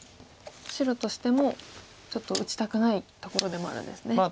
白としてもちょっと打ちたくないところでもあるんですね。